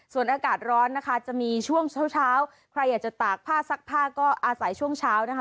ส่วนอากาศร้อนนะคะจะมีช่วงเช้าเช้าใครอยากจะตากผ้าซักผ้าก็อาศัยช่วงเช้านะคะ